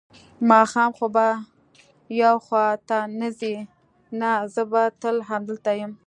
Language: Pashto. ماښام خو به یو خوا ته نه ځې؟ نه، زه به تل همدلته یم.